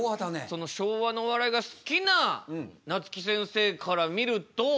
その昭和のお笑いが好きななつき先生から見ると。